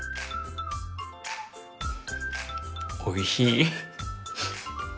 おいしい。